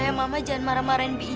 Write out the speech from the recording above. bagaimana kamu mau menangkut